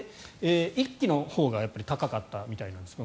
１期のほうが高かったみたいです。